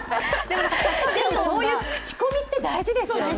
そういう口コミって大事ですよね。